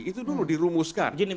itu dulu dirumuskan